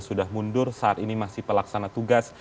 sudah mundur saat ini masih pelaksana tugas